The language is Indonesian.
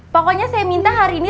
pokoknya saya minta hari ini